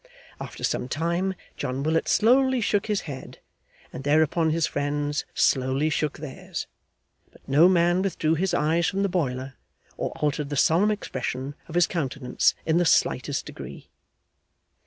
After some time John Willet slowly shook his head, and thereupon his friends slowly shook theirs; but no man withdrew his eyes from the boiler, or altered the solemn expression of his countenance in the slightest degree.